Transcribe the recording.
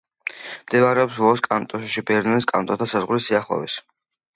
მდებარეობს ვოს კანტონში, ბერნის კანტონთან საზღვრის სიახლოვეს.